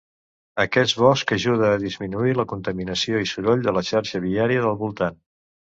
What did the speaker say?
Aquest bosc ajuda a disminuir la contaminació i soroll de la xarxa viària del voltant.